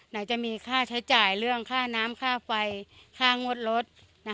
ไหนจะมีค่าใช้จ่ายเรื่องค่าน้ำค่าไฟค่างวดรถ